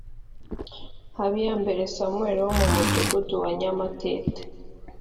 Habiyambere Samuel wo mu mudugudu wa Nyamatete